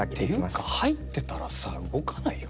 ていうか入ってたらさ動かないよ